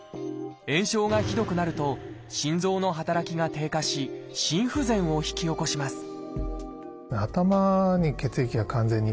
炎症がひどくなると心臓の働きが低下し心不全を引き起こします